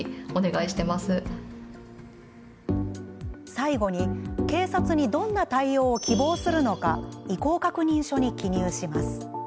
最後に、警察にどんな対応を希望するのか意向確認書に記入します。